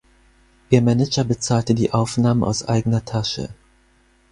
Ihr Manager bezahlte die Aufnahmen aus eigener Tasche.